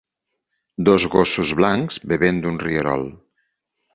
dos gossos blancs bevent d'un rierol